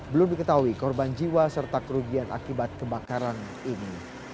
belum diketahui korban jiwa serta kerugian akibat kebakaran ini